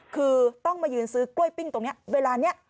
คือต้องมายืนซื้อกล้วยปิ้งตรงนี้เวลานี้